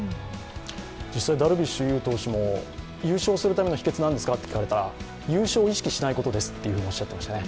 実際ダルビッシュ有投手も優勝するための秘訣は何ですかと聞かれたら、優勝を意識しないことですっておっしゃってましたね。